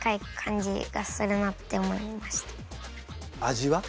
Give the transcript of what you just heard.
味は？